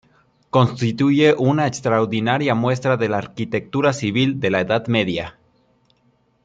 Constituye una extraordinaria muestra de la arquitectura civil de la Edad Media.